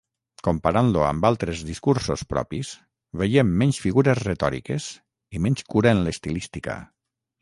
Comparant-lo amb altes discursos propis, veiem menys figures retòriques i menys cura en l'estilística.